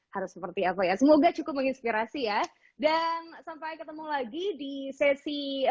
harus seperti apa ya semoga cukup menginspirasi ya dan sampai ketemu lagi di sesi